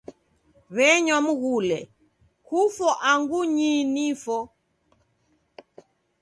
W'enywa mghule, "kufo angu nyii nifo."